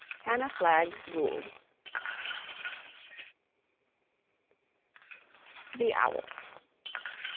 HANNAH FLAGG GOULD. THE OWL.